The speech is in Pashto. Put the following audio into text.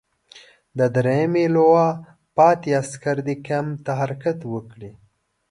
د دریمې لواء پاتې عسکر دې کمپ ته حرکت وکړي.